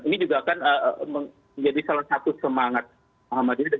ini juga akan menjadi salah satu semangat muhammadiyah